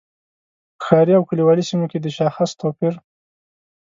په ښاري او کلیوالي سیمو کې د شاخص توپیر.